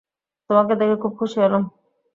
তোমাকে দেখে খুব খুশি হলাম।